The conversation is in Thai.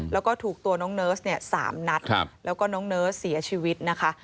แล้วก็ถูกตัวน้องเนิร์สเนี่ย๓นัดแล้วก็น้องเนิร์สเสียชีวิตนะคะ